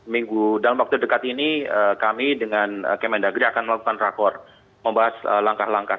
minggu dalam waktu dekat ini kami dengan kemendagri akan melakukan rakor membahas langkah langkah